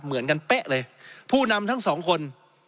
เหมือนกันเป๊ะเลยผู้นำทั้งสองคน